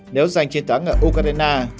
nếu giành chiến thắng ở ukraine